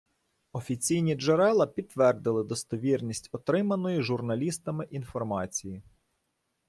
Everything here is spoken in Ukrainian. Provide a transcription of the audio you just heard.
Офіційні джерела підтвердили достовірність отриманої журналістами інформації